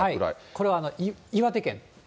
これは岩手県。